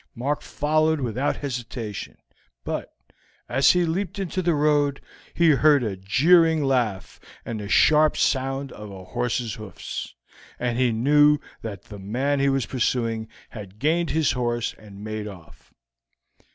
Mark followed without hesitation, but as he leaped into the road he heard a jeering laugh and the sharp sound of a horse's hoofs, and knew that the man he was pursuing had gained his horse and made off.